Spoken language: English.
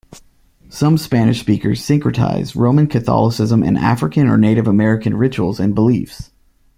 Some Spanish-speakers syncretize Roman Catholicism and African or Native American rituals and beliefs.